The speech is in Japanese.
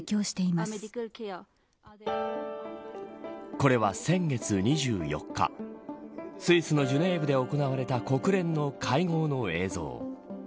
これは先月２４日スイスのジュネーブで行われた国連の会合の映像。